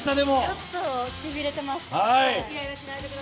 ちょっとしびれてます。